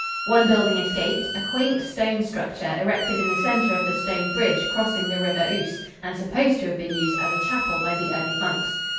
One building escaped, a quaint stone structure erected in the center of the stone bridge crossing the River Ouse and supposed to have been used as a chapel by the early monks.